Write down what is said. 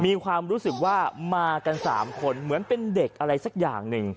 มีความรู้สึกว่ามากัน๓คนเหมือนเป็นเด็กอะไรสักอย่างหนึ่ง